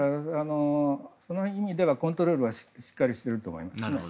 その意味ではコントロールはしっかりしてると思いますね。